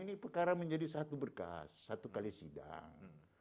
ini perkara menjadi satu berkas satu kali sidang